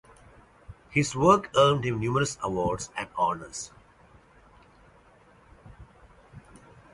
His work earned him numerous awards and honors.